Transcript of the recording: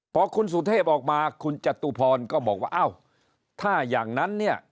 พอคุณสุเทพออกมาคุณจตุพรก็บอกว่าอ้าวถ้าอย่างนั้นเนี่ย